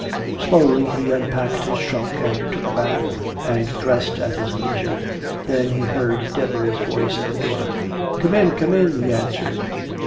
Slowly he unpacked his trunk and took a bath and dressed at his leisure. Then he heard Deborah's voice at the door. "Come in, come in!" he answered.